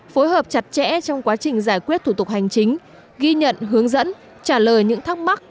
phối hợp chặt chẽ trong quá trình giải quyết thủ tục hành chính ghi nhận hướng dẫn trả lời những thắc mắc